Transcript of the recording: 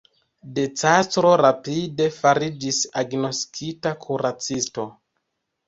De Castro rapide fariĝis agnoskita kuracisto.